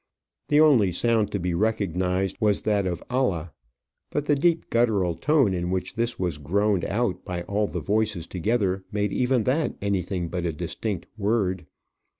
The only sound to be recognized was that of Allah; but the deep guttural tone in which this was groaned out by all the voices together, made even that anything but a distinct word.